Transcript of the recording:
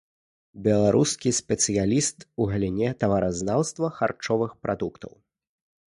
Беларускі спецыяліст у галіне таваразнаўства харчовых прадуктаў.